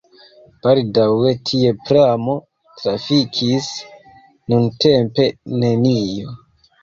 Baldaŭe tie pramo trafikis, nuntempe nenio.